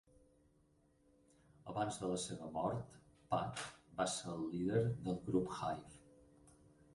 Abans de la seva mort, Pat va ser el líder del grup Hive.